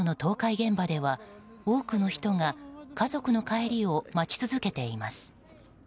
現場では多くの人が家族の帰りを待ち続けています。